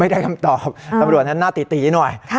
ได้คำตอบตำรวจนั้นหน้าตีตีหน่อย